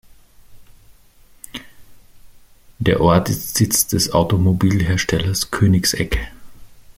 Der Ort ist Sitz des Automobilherstellers Koenigsegg.